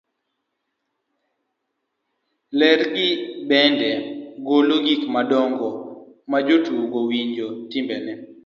ler gi bende golo gik madongo majatugo winjo, timbene